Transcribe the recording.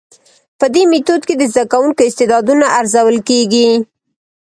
په دي ميتود کي د زده کوونکو استعدادونه ارزول کيږي.